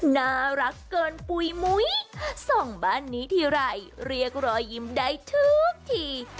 น่ารักเกินปุ๋ยมุ้ยส่องบ้านนี้ทีไรเรียกรอยยิ้มได้ทุกที